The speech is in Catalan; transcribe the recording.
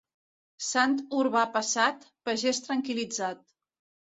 Sant Urbà passat, pagès tranquil·litzat.